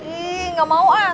ih gak mau ah